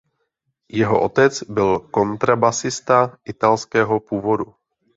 Jeho otec byl kontrabasista italského původu.